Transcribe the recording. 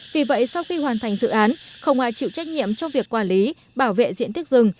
vì vậy sau khi hoàn thành dự án không ai chịu trách nhiệm trong việc quản lý bảo vệ diện tích rừng